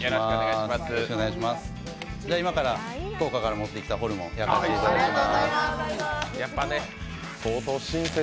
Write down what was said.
今から福岡から持ってきたホルモン焼かせていただきます。